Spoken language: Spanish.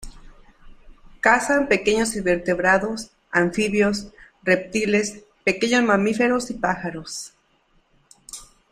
Cazan pequeños invertebrados, anfibios, reptiles, pequeños mamíferos y pájaros.